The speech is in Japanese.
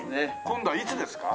今度はいつですか？